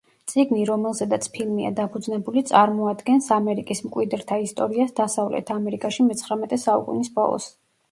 წიგნი, რომელზედაც ფილმია დაფუძნებული, წარმოადგენს ამერიკის მკვიდრთა ისტორიას დასავლეთ ამერიკაში მეცხრამეტე საუკუნის ბოლოს.